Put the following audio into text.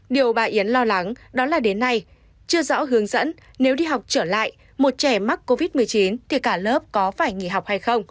điều bà yến lo lắng đó là đến nay chưa rõ hướng dẫn nếu đi học trở lại một trẻ mắc covid một mươi chín thì cả lớp có phải nghỉ học hay không